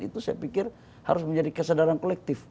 itu saya pikir harus menjadi kesadaran kolektif